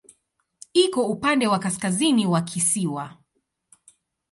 Iko upande wa kaskazini wa kisiwa.